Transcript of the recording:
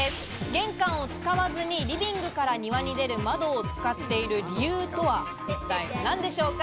玄関を使わずにリビングから庭に出る窓を使っている理由とは一体何でしょうか。